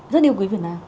rất yêu quý việt nam